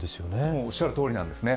おっしゃるとおりなんですね。